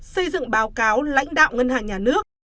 xây dựng báo cáo lãnh đạo ngân hàng nhà nước